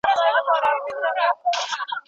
ته وا باد ته تور ورېښم وهي موجونه